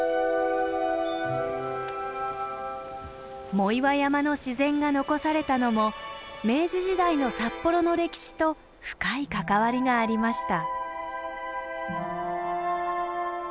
藻岩山の自然が残されたのも明治時代の札幌の歴史と深い関わりがありました。